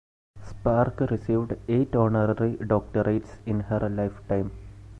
Spark received eight honorary doctorates in her lifetime.